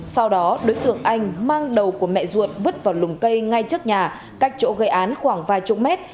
sau đó đối tượng anh mang đầu của mẹ ruột vứt vào lùng cây ngay trước nhà cách chỗ gây án khoảng vài chục mét